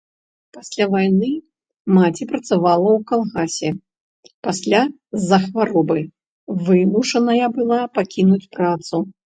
Пасля вайны маці працавала ў калгасе, пасля з-за хваробы вымушаная была пакінуць працу.